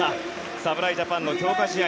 侍ジャパンの強化試合